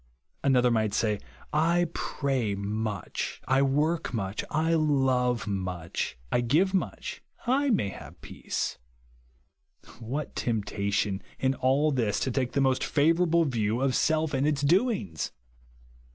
Another might say, I pray much, I work much, I love much, I give much, I may have peace. What temp tation in all this to take the most flivour able view of self and its doings